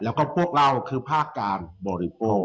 แล้วก็พวกเราคือภาคการบริโภค